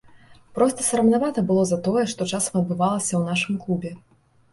Проста сарамнавата было за тое, што часам адбывалася ў нашым клубе.